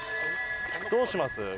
どうします？